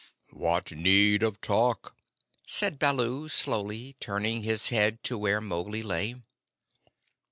"What need of talk?" said Baloo slowly, turning his head to where Mowgli lay.